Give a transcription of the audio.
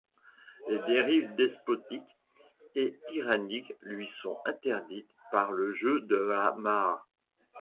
Les dérives despotique et tyrannique lui sont interdites par le jeu de la Maât.